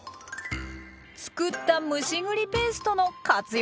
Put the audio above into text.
つくった蒸し栗ペーストの活用